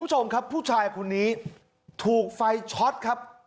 คุณผู้ชมครับผู้ชายคนนี้ถูกไฟช็อตครับ